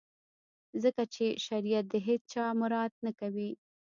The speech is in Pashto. ځکه چي شریعت د هیڅ چا مراعات نه کوي.